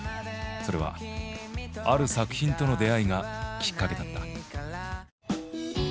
それはある作品との出会いがきっかけだった。